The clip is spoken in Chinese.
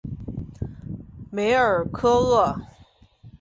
梅尔科厄。